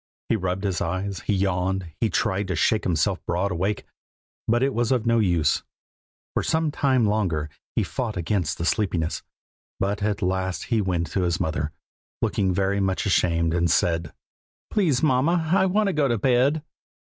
He rubbed his eyes, he yawned, he tried to shake himself broad awake, but it was of no use. For some time longer he fought against the sleepiness, but at last he went to his mother, looking very much ashamed, and said: "'Please, mamma, I want to go to bed!'